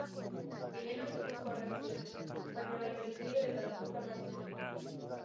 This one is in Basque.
Gehienak gipuzkoarrak ziren, baina baita bizkaitar eta lapurtar batzuk ere.